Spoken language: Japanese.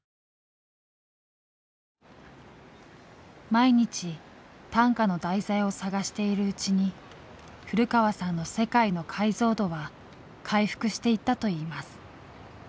毎日短歌の題材を探しているうちに古川さんの世界の解像度は回復していったといいます。